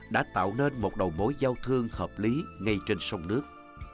đã tạo nên một đầu mối giao thương hợp lý ngay trên sông nước